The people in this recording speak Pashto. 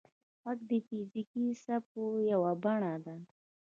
• ږغ د فزیکي څپو یوه بڼه ده.